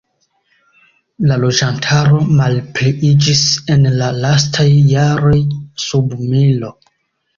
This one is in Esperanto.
La loĝantaro malpliiĝis en la lastaj jaroj sub milo.